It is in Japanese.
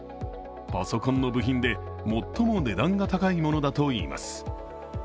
パソコンの部品で最も値段が高いものだといいます。